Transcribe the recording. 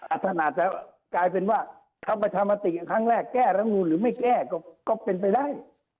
อาจจะกลายเป็นว่าทำประชามติครั้งแรกแก้รำนูนหรือไม่แก้ก็เป็นไปได้